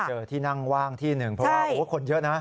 เจอที่นั่งว่างที่หนึ่งเพราะว่าคนเยอะนะ